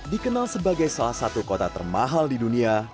dikenal sebagai salah satu kota termahal di dunia